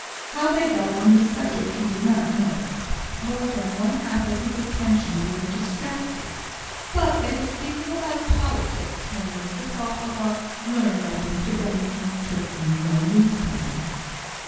How they got on the subject he did not know, more than one half of his attention being distracted; but they were speaking about politics, when Mr Farquhar learned that Mr Benson took in no newspaper.